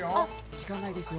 時間ないですよ。